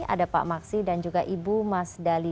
ada pak maksi dan juga ibu mas dali